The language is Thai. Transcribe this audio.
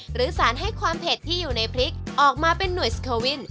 หรือสารให้ความเผ็ดที่อยู่ในพริกออกมาเป็นหน่วยสโควิน